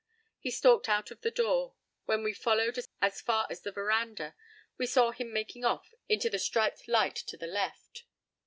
p> He stalked out of the door. When we followed as far as the veranda we saw him making off into the striped light to the left.